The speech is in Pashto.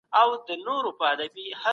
رحمت